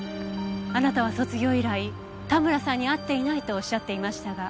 あなたは卒業以来田村さんに会っていないとおっしゃっていましたが。